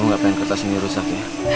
gue gak pengen kertas ini rusak ya